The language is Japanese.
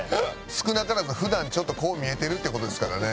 少なからず普段ちょっとこう見えてるって事ですからね。